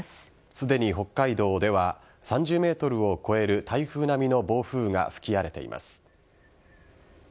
すでに北海道では３０メートルを超える台風並みの暴風が吹き荒れています。